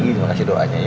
terima kasih doanya ya